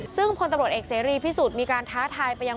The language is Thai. ซึ่งพลตำรวจเอกเสรีพิสุทธิ์มีการท้าทายไปยัง